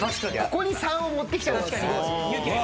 ここに３を持ってきたのがすごい。